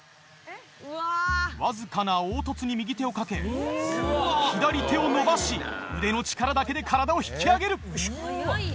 わずかな凹凸に右手をかけ左手を伸ばし腕の力だけで体を引き上げる。